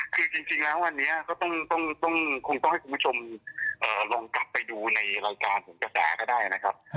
คือจริงแล้ววันนี้ก็ต้องคงต้องให้คุณผู้ชมลองกลับไปดูในรายการผลกระแสก็ได้นะครับ